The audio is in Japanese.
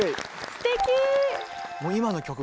すてき。